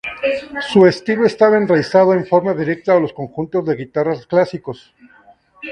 Su estilo estaba enraizado en forma directa a los conjuntos de guitarras clásicos.